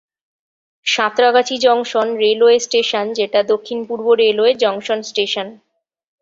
Santragachi junction railway station যেটা দক্ষিণ পূর্ব রেলপথের জংশন স্টেশন।